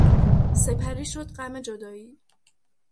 سپری شد غم جدایی...